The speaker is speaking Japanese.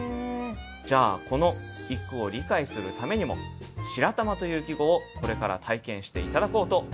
じゃあこの一句を理解するためにも「白玉」という季語をこれから体験して頂こうと思います。